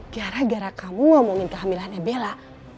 gara gara kamu ngomongin kehamilannya bella